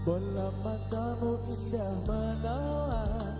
bolam matamu indah menawan